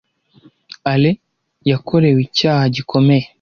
Alain yakorewe icyaha gikomeye.